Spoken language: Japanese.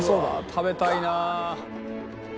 食べたいなあ。